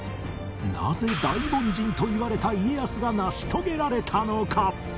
なぜ大凡人といわれた家康が成し遂げられたのか？